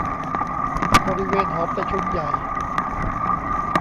บริเวณหอประชุมใหญ่